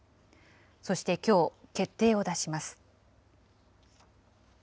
そしてきょう、決定を出します。